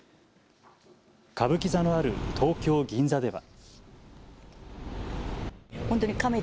歌舞伎座のある東京銀座では。